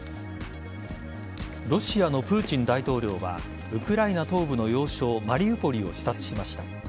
ロシアのプーチン大統領はウクライナ東部の要衝マリウポリを視察しました。